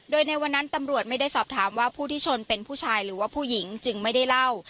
โดยในวันนั้นตำรวจไม่ได้สอบถามว่าผู้ที่ชนเป็นผู้ชายหรือว่าผู้หญิงจึงไม่ได้เล่า